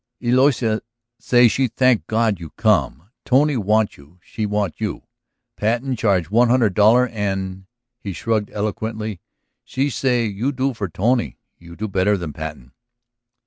"Eloisa say she thank God you come; Tony want you, she want you. Patten charge one hundred dollar an'. ..." He shrugged eloquently. "She say you do for Tony; you do better than Patten."